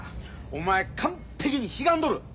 お前完璧にひがんどる。